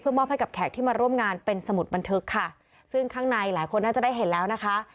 มอบให้กับแขกที่มาร่วมงานเป็นสมุดบันทึกค่ะซึ่งข้างในหลายคนน่าจะได้เห็นแล้วนะคะ